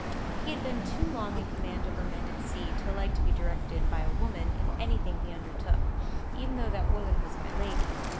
He had been too long in command over men at sea to like to be directed by a woman in anything he undertook, even though that woman was my lady.